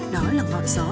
đó là ngọn gió